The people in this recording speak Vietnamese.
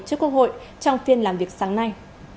trước quốc hội trong phiên làm việc sáng nay